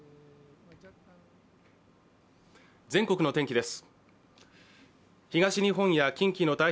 全国の天気です。